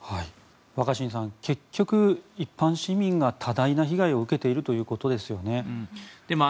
若新さん結局、一般市民が多大な被害を受けているということですよね。